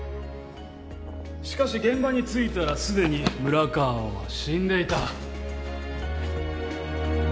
しかし現場に着いたらすでに村川は死んでいた